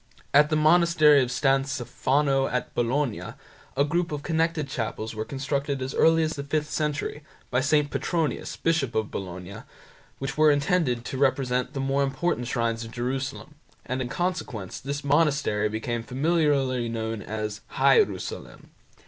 At the monastery of San Stefano at Bologna a group of connected chapels were constructed as early as the fifth century, by St. Petronius, Bishop of Bologna, which were intended to represent the more important shrines of Jerusalem, and in consequence, this monastery became familiarly known as "Hierusalem".